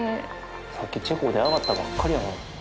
さっきチェコで上がったばっかりやのに。